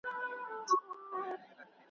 مکاري سترګي د رقیب دي سیوری ونه ویني ,